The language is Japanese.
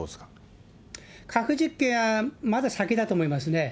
核実験、まだ先だと思いますね。